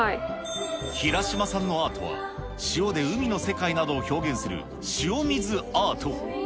ヒラシマさんのアートは、塩で海の世界などを表現する塩水アート。